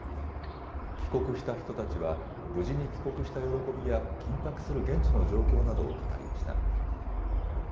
帰国した人たちは無事に帰国した喜びや緊迫する現地の状況などを語りました。